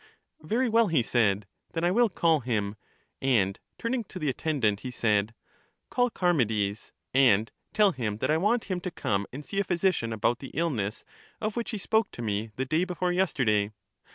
Very well, he said; then I will call him; and tum 10 CHARMIDES ing to the attendant, he said, Call Charmides, and tell him that I want him to come and see a physician about the illness of which he spoke to me the day before yes terday.